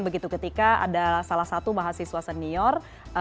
begitu ketika ada salah satu mahasiswa senior